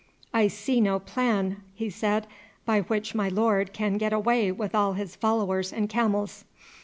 "I see no plan," he said, "by which my lord can get away with all his followers and camels.